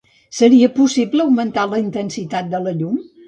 Seria possible augmentar la intensitat de la llum?